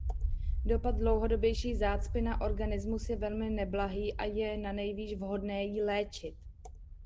Dopad dlouhodobější zácpy na organismus je velmi neblahý a je nanejvýš vhodné ji léčit.